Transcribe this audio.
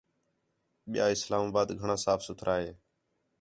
ٻِیا اِسلام آباد گھݨاں صاف سُتھرا ہے